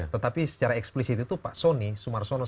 tetapi secara eksplisit itu pak sony sumar sumar